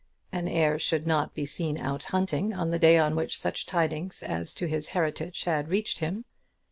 An heir should not be seen out hunting on the day on which such tidings as to his heritage had reached him.